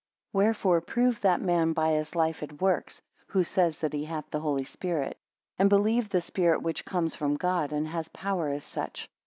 Wherefore prove that man by his life and works, who says that he hath the Holy Spirit. And believe the Spirit which comes from God, and has power as such.